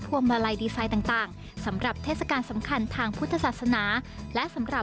วงมาลัยดีไฟต่างต่างสำหรับเทศกาลสำคัญทางพุทธศาสนาและสำหรับ